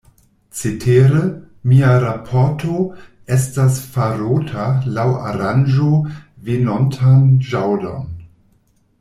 Cetere, mia raporto estas farota laŭ aranĝo venontan ĵaŭdon.